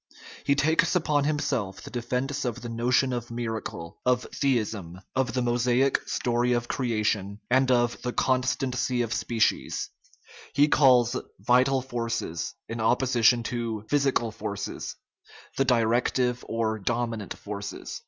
He takes upon himself the defence of the notion of miracle, of theism, of the Mosaic story of creation, and of the constancy of species; he calls "vital forces," in opposition to physical forces, the di rective or dominant forces.